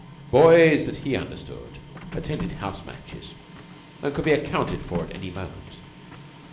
Boys that he understood attended house matches and could be accounted for at any moment.